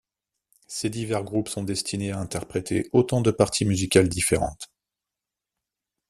Ces divers groupes sont destinés à interpréter autant de parties musicales différentes.